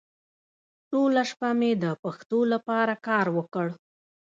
ټوله شپه مې د پښتو لپاره کار وکړ.